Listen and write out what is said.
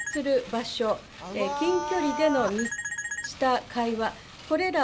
近距離での密した会話これら。